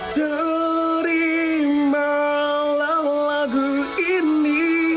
terimalah lagu ini